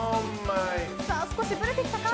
少しぶれてきたか。